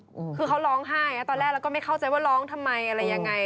คือเขาร้องไห้นะตอนแรกเราก็ไม่เข้าใจว่าร้องทำไมอะไรยังไง